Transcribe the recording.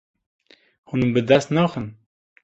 Hûn bi dest naxin.